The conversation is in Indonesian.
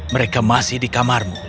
mereka masih di kamarmu